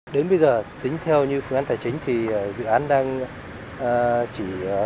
đến bây giờ tính theo như phương án tài chính thì doanh thu của dự án đang chỉ đạt được khoảng một mươi hai một mươi ba